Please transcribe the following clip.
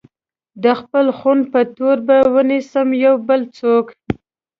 د خپل خون په تور به ونيسم يو بل څوک